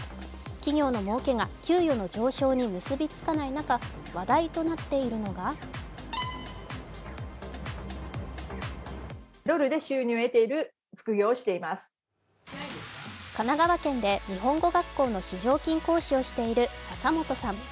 企業のもうけが給与の上昇に結びつかない中、話題となっているのが神奈川県で日本語学校の非常勤講師をしている笹本さん。